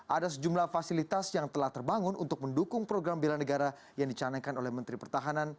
ada sejumlah fasilitas yang telah terbangun untuk mendukung program bela negara yang dicanangkan oleh menteri pertahanan